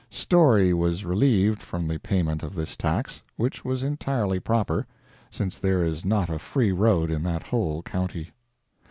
Storey was relieved from the payment of this tax, which was entirely proper, since there is not a free road in the whole county.